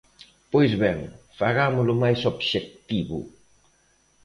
Pois ben, fagámolo máis obxectivo.